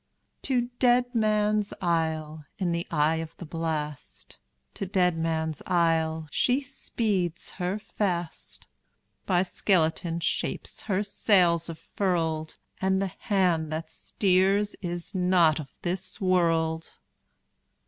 To Deadman's Isle, in the eye of the blast, To Deadman's Isle, she speeds her fast; By skeleton shapes her sails are furled, And the hand that steers is not of this world!